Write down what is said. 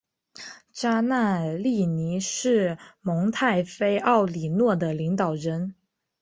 扎纳利尼是蒙泰菲奥里诺的领导人。